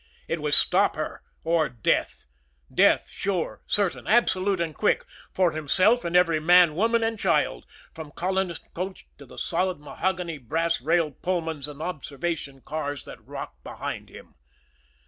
It was stop her, or death; death, sure, certain, absolute and quick, for himself and every man, woman and child, from colonist coach to the solid mahogany, brass railed Pullmans and observation cars that rocked behind him.